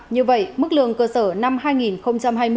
như vậy mức lương cơ sở năm hai nghìn hai mươi